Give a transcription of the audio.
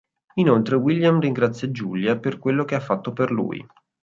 Inoltre William ringrazia Julia per quello che ha fatto per lui.